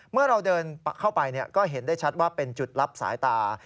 เมื่อเราเดินเข้าไปก็เห็นได้ชัดว่าเป็นจุดลับสายตา